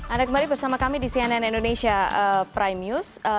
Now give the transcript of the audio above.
anda kembali bersama kami di cnn indonesia prime news